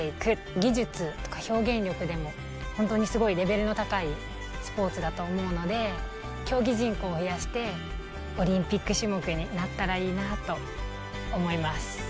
技術とか表現力でも、本当にすごいレベルの高いスポーツだと思うので、競技人口を増やして、オリンピック種目になったらいいなと思います。